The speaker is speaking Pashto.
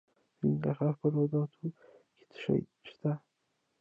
د ننګرهار په روداتو کې څه شی شته؟